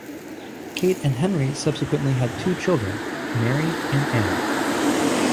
Kate and Henry subsequently had two children, Mary and Anne.